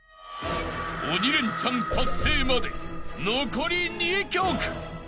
［鬼レンチャン達成まで残り２曲］